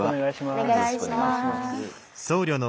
お願いします。